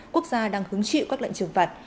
quốc gia đang hứng trị các lệnh trừng phạt